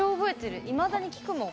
いまだに聴くもん。